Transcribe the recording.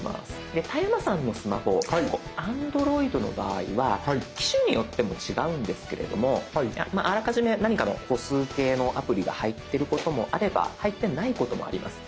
で田山さんのスマホアンドロイドの場合は機種によっても違うんですけれどもあらかじめ何かの歩数計のアプリが入ってることもあれば入ってないこともあります。